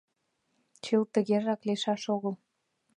Чылт тыгежак лийшаш огыл.